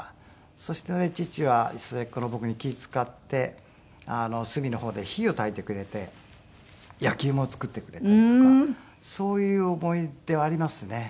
そして父は末っ子の僕に気ぃ使って隅の方で火をたいてくれて焼き芋を作ってくれたりとかそういう思い出はありますね。